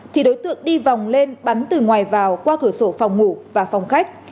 thì đối tượng đi vòng lên bắn từ ngoài vào qua cửa sổ phòng ngủ và phòng khách